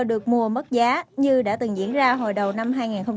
được mua mất giá như đã từng diễn ra hồi đầu năm hai nghìn một mươi tám